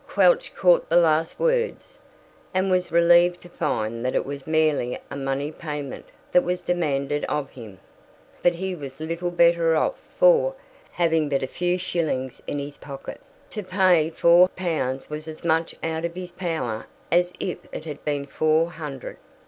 Quelch caught the last words, and was relieved to find that it was merely a money payment that was demanded of him. But he was little better off, for, having but a few shillings in his pocket, to pay four pounds was as much out of his power as if it had been four hundred.